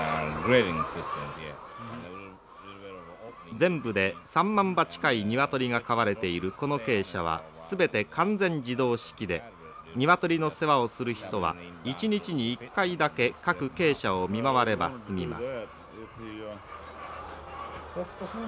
全部で３万羽近い鶏が飼われているこの鶏舎は全て完全自動式で鶏の世話をする人は一日に一回だけ各鶏舎を見回れば済みます。